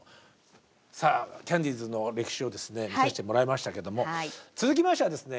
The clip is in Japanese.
さあキャンディーズの歴史を見させてもらいましたけども続きましてはですね